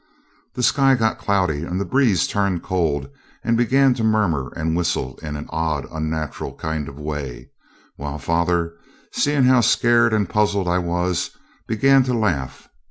The sky got cloudy, and the breeze turned cold and began to murmur and whistle in an odd, unnatural kind of way, while father, seeing how scared and puzzled I was, began to laugh.